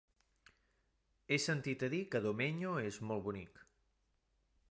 He sentit a dir que Domenyo és molt bonic.